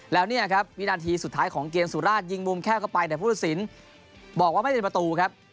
แล้วเนี่ยครับวินาทีสุดท้ายของเกมสุราชยิงมุมแค่เข้าไปแต่พุทธศิลป์บอกว่าไม่เป็นประตูครับ